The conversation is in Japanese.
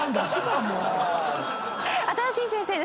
新しい先生です。